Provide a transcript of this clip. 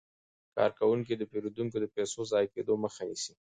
کارکوونکي د پیرودونکو د پيسو د ضایع کیدو مخه نیسي.